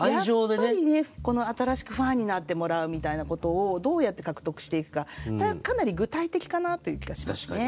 やっぱりね新しくファンになってもらうみたいなことをどうやって獲得していくかかなり具体的かなという気がしますね。